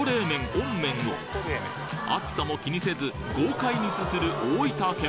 温麺を熱さも気にせず豪快にすする大分県